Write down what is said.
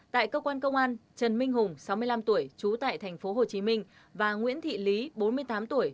tại cơ quan công an trần minh hùng sáu mươi năm tuổi trú tại tp hcm và nguyễn thị lý bốn mươi tám tuổi